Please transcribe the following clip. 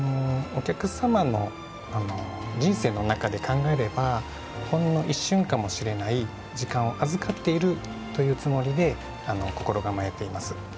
お客様の人生の中で考えればほんの一瞬かもしれない時間を預かっているというつもりで心構えています。